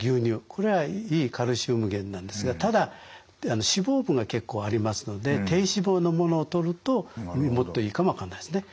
これはいいカルシウム源なんですがただ脂肪分が結構ありますので低脂肪のものをとるともっといいかも分かんないですね。